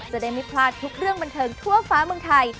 จะได้ไม่พลาดทุกเรื่องบันเทิงทั่วฟ้าเมืองไทย